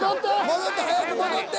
戻って早く戻って！